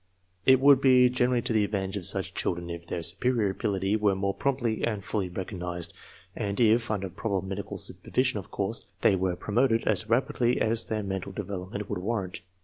It would be greatly to the advantage of such children if their superior ability were more promptly and fully recog nized, and if (under proper medical supervision, of course) they were promoted as rapidly as their mental develop ment would warrant.